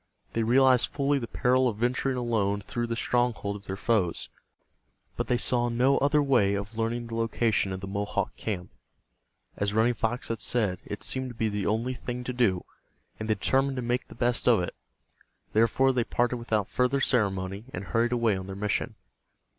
They realized fully the peril of venturing alone through the stronghold of their foes, but they saw no other way of learning the location of the Mohawk camp. As Running Fox had said, it seemed to be the only thing to do, and they determined to make the best of it. Therefore, they parted without further ceremony, and hurried away on their mission.